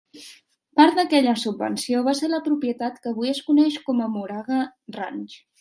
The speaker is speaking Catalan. Part d'aquella subvenció va ser la propietat que avui es coneix com a Moraga Ranch.